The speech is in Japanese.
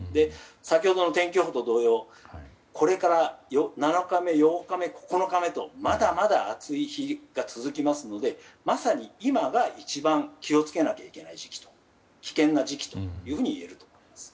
先ほどの天気予報と同様これから７日目、８日目、９日目とまだまだ暑い日が続きますのでまさに今が一番気を付けなくてはいけない時期危険な時期と言えると思います。